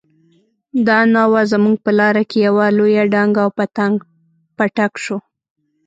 دا ناوه زموږ په لاره کې يوه لويه ډانګه او پټک شو.